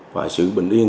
và sự bình yên